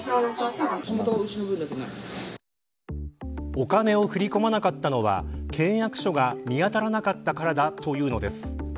お金を振り込まなかったのは契約書が見当たらなかったからだというのです。